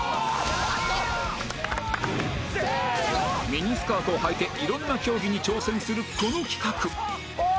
ミニスカートをはいて色んな競技に挑戦するこの企画